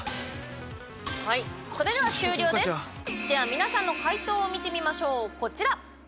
皆さんの解答を見てみましょう。